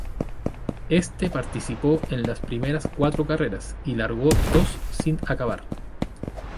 Este participó en las primeras cuatro carreras y largó dos sin acabar.